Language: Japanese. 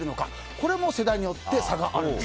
これも世代によって差があるんです。